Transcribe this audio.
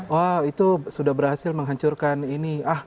wah itu sudah berhasil menghancurkan ini